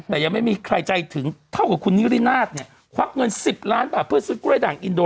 แต่ยังไม่มีใครใจถึงเท่ากับคุณนิรินาทเนี่ยควักเงิน๑๐ล้านบาทเพื่อซื้อกล้วยด่างอินโด